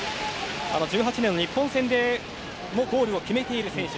１８年の日本戦でもゴールを決めている選手。